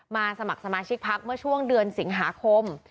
สมัครสมาชิกพักเมื่อช่วงเดือนสิงหาคม